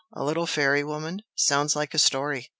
'A little fairy woman'? Sounds like a story!"